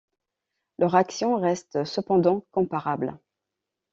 Leur action reste cependant comparable.